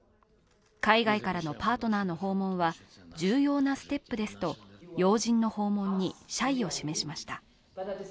海外からのパートナーの訪問は重要なステップですと、要人の訪問に謝意を示しました。